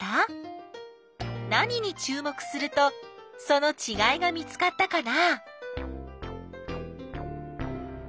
何にちゅう目するとそのちがいが見つかったかな？